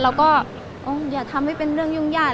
เราก็อย่าทำให้เป็นเรื่องยุ่งยาก